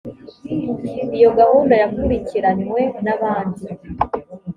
iyo gahunda yakurikiranywe n’ abandi